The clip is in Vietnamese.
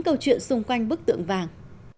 chuyện xung quanh bức tượng vàng